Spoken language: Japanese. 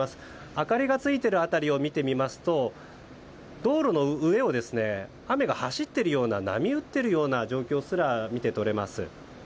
明かりがついている辺りを見てみますと道路の上を雨が走っているような波打っているような状況すら見て取れます。